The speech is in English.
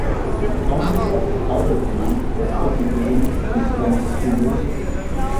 The County of Auvergne was also given to Plantapilosa.